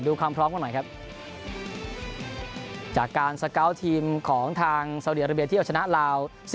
ดูความพร้อมมาหน่อยครับจากการสกาวทีมของทางเซาเดียราเบียร์ที่จะชนะลาว